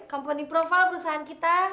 komponi profil perusahaan kita